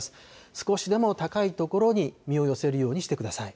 少しでも高いところに身を寄せるようにしてください。